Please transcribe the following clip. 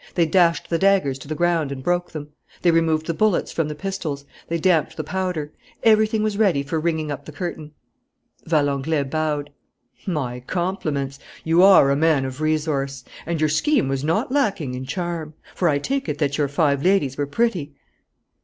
They dashed the daggers to the ground and broke them. They removed the bullets from the pistols. They damped the powder. Everything was ready for ringing up the curtain." Valenglay bowed. "My compliments! You are a man of resource. And your scheme was not lacking in charm. For I take it that your five ladies were pretty?"